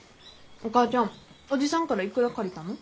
お母ちゃんおじさんからいくら借りたの？